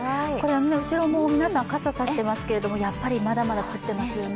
後ろは皆さんもう傘差していますけど、まだまだ降ってますよね。